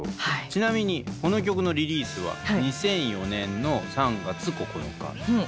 ちなみにこの曲のリリースは２００４年の３月９日。